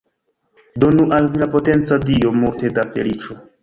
Donu al vi la potenca Dio multe da feliĉo.